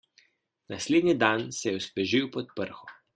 Naslednji dan se je osvežil pod prho.